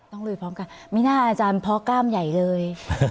ต้องลุยพร้อมกันมิน่าอาจารย์พอกล้ามใหญ่เลย